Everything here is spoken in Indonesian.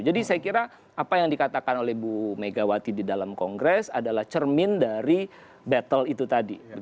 jadi saya kira apa yang dikatakan oleh bu megawati di dalam kongres adalah cermin dari battle itu tadi